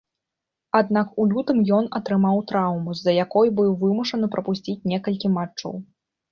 Аднак, у лютым ён атрымаў траўму, з-за якой быў вымушаны прапусціць некалькі матчаў.